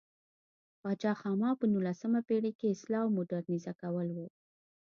پاچا خاما په نولسمه پېړۍ کې اصلاح او مودرنیزه کول و.